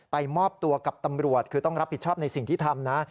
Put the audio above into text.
มอบตัวกับตำรวจคือต้องรับผิดชอบในสิ่งที่ทำนะ